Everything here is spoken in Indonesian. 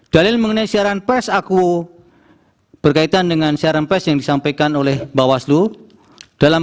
dalil mengenai siaran pers aku berkaitan dengan siaran pers yang disampaikan oleh bawaslu dalam